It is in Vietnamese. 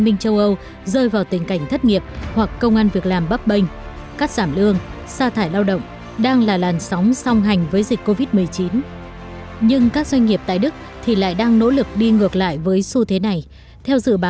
xin chào và hẹn gặp lại các bạn trong những video tiếp theo